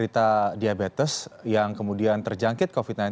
kita diabetes yang kemudian terjangkit covid sembilan belas